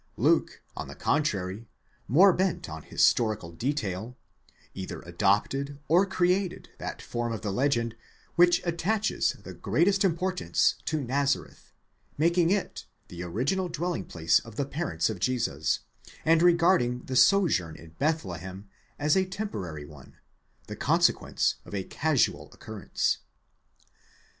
Luke, on the contrary, more bent on historic detail, either adopted or created that form of the legend, which attaches the greatest important to Nazareth, making it the original dwelling place of the parents of Jesus, and regarding the sojourn in Bethlehem as a temporary one, the consequence of a casual occurrence.